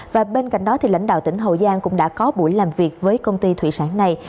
và bên cạnh đó lãnh đạo tỉnh hậu giang cũng đã có buổi làm việc với công ty thủy sản này